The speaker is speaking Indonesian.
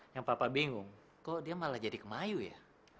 yang papa bingung kok dia malah jadi kemayu ya